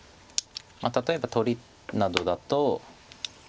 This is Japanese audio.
例えば取りなどだと。